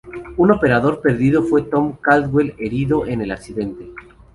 Un operador perdido fue Tom Caldwell, herido en el accidente.